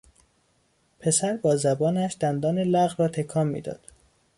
پسر با زبانش دندان لق را تکان میداد.